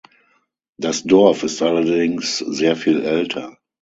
Das Dorf ist allerdings sehr viel älter.